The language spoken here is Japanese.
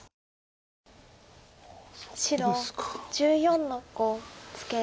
白１４の五ツケ。